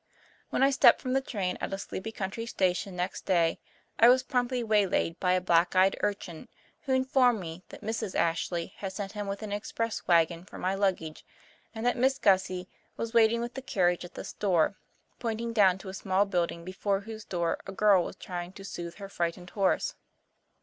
When I stepped from the train at a sleepy country station next day I was promptly waylaid by a black eyed urchin who informed me that Mrs. Ashley had sent him with an express wagon for my luggage, and that "Miss Gussie" was waiting with the carriage at the store, pointing down to a small building before whose door a girl was trying to soothe her frightened horse.